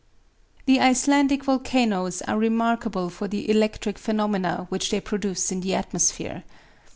The Icelandic volcanoes are remarkable for the electric phenomena which they produce in the atmosphere.